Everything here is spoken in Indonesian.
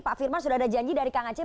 pak firman sudah ada janji dari kang aceh